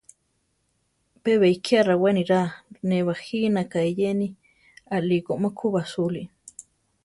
Pe beikiá rawé niraa ne bajínaka eyeni; aʼliko ma ku basúli.